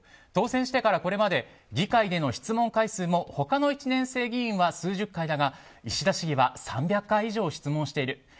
当選してからこれまで議会での質問回数も他の１年生議員は数十回だが、石田市議は３００回以上質問している。